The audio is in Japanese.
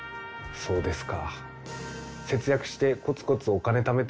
そうですね。